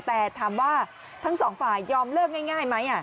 แต่ถามว่าทั้งสองฝ่ายยอมเลิกง่ายไหม